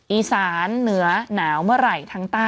อีสานเหนือหนาวเมื่อไหร่ทางใต้